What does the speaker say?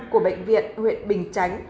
của bệnh viện huyện bình chánh